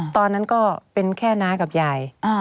ตอนนั้นก็เป็นแค่น้ากับยาย